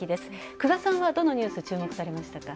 久我さんは、どのニュース注目されましたか？